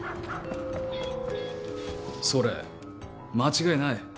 それ間違いない？